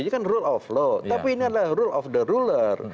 ini kan rule of law tapi ini adalah rule of the ruler